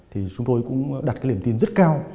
thì chúng tôi cũng đặt liềm tin rất cao